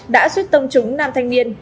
đã suýt tông trúng nam thanh niên